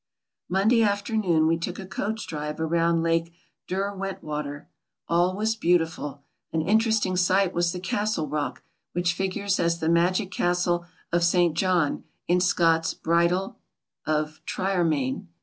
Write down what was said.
Monday afternoon we took a coach drive around Lake Derwentwaier. All was beautiful. An interesting sight was the Casde Rock, which figures as the magic casde of St. John in Scott's "Bridal of Triermain."